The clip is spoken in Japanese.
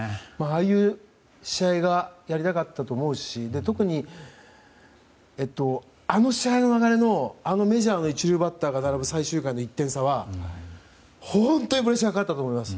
ああいう試合がやりたかったと思うし特に、あの試合の流れのあのメジャーの一流バッターが並ぶ最終回の１点差は本当にプレッシャーがかかったと思います。